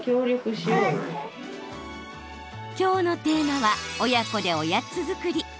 きょうのテーマは親子でおやつ作り。